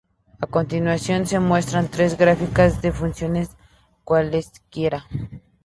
A continuación se muestran tres gráficas de funciones cualesquiera.